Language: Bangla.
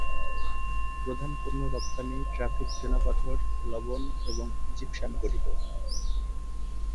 প্রধান পণ্য রপ্তানি ট্রাফিক চুনাপাথর, লবণ এবং জিপসাম গঠিত।